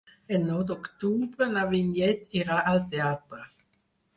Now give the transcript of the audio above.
El nou d'octubre na Vinyet irà al teatre.